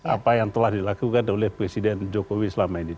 apa yang telah dilakukan oleh presiden jokowi selama ini